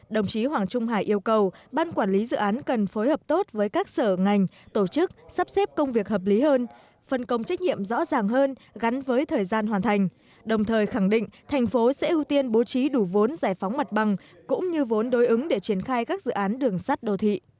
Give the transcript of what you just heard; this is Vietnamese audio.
đồng chí hoàng trung hải yêu cầu đẩy nhanh tiến độ các dự án bởi với tiến độ chậm như hiện nay sẽ không thể đáp ứng được yêu cầu về phát triển dân số của thành phố